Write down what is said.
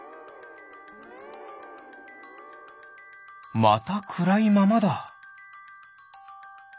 またくらいままだ！